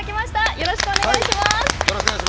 よろしくお願いします。